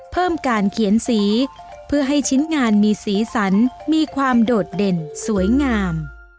เพิ่มการเขียนสีเพื่อให้ชิ้นงานมีสีสันมีความโดดเด่นสวยงาม